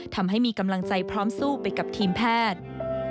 ทำให้มีกำลังใจพร้อมสู้ไปกับทีมแพทย์